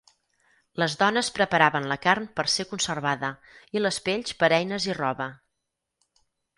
Les dones preparaven la carn per ser conservada i les pells per eines i roba.